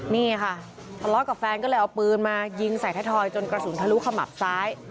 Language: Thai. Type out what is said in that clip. นี่ค่ะทะเลาะกับแฟนก็เลยเอาปืนมายิงใส่ไทยทอยจนกระสุนทะลุขมับซ้าย